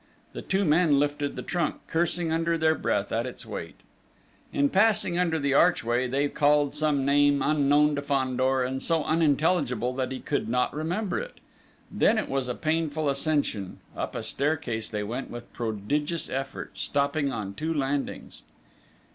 The two men lifted the trunk, cursing under their breath at its weight. In passing under the archway they called some name unknown to Fandor and so unintelligible that he could not remember it; then it was a painful ascension: up a staircase they went with prodigious effort, stopping on two landings.